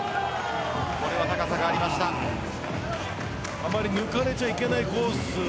あまり抜かれてはいけないコース